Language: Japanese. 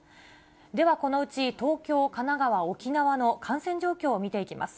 ではこのうち東京、神奈川、沖縄の感染状況を見ていきます。